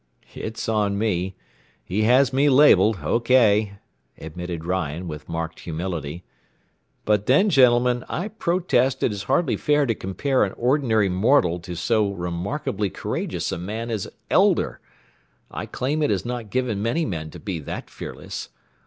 "It's on me. He has me labelled, OK," admitted Ryan with marked humility. "But then, gentlemen, I protest it is hardly fair to compare an ordinary mortal to so remarkably courageous a man as Elder. I claim it is not given many men to be that fearless.